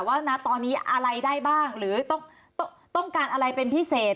ว่านะตอนนี้อะไรได้บ้างหรือต้องการอะไรเป็นพิเศษ